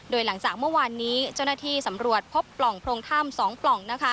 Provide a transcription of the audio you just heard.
โดยหลังจากเมื่อวานนี้เจ้าหน้าที่สำรวจพบปล่องโพรงถ้ำ๒ปล่อง